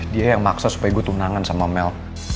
dia yang maksa supaya gue tunangan sama mel